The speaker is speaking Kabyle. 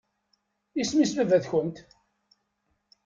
Isem-is baba-tkent?